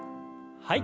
はい。